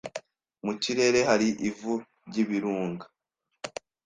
Mu kirere hari ivu ryibirunga.